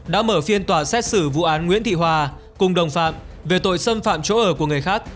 đã mở phiên tòa xét xử vụ án nguyễn thị hòa cùng đồng phạm về tội xâm phạm chỗ ở của người khác